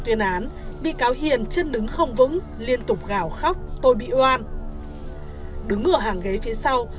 tuyên án bị cáo hiền chân đứng không vững liên tục gào khóc tôi bị oan đứng ở hàng ghế phía sau